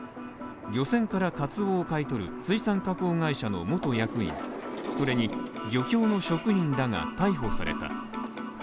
漁船からカツオを買い取る水産加工会社の元役員それに漁協の職員らが逮捕された。